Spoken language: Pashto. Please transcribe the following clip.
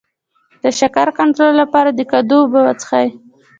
د شکر کنټرول لپاره د کدو اوبه وڅښئ